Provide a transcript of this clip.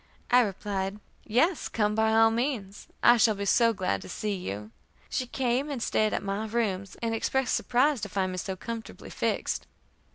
I replied, "Yes, come by all means. I shall be so glad to see you." She came and stayed at my rooms, and expressed surprise to find me so comfortably fixed.